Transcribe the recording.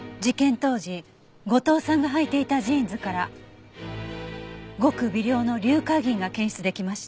当時後藤さんがはいていたジーンズからごく微量の硫化銀が検出できました。